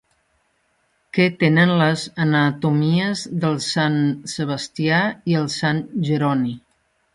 Què tenen les anatomies del Sant Sebastià i el Sant Jeroni?